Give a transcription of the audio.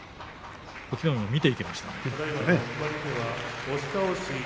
隠岐の海は見ていきましたね。